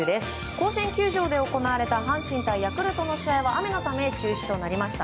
甲子園球場で行われた阪神対ヤクルトの試合は雨のため中止となりました。